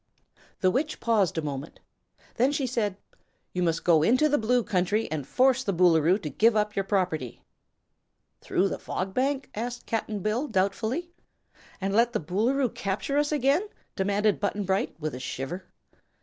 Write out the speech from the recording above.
The Witch paused a moment. Then she said: "You must go into the Blue Country and force the Boolooroo to give up your property." "Through the Fog Bank?" asked Cap'n Bill, doubtfully. "And let the Boolooroo capture us again?" demanded Button Bright, with a shiver.